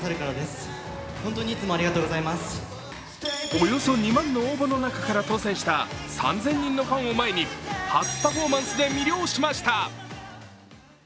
およそ２万の応募の中から当選した３０００人のファンを前に初パフォーマンスで魅了しました。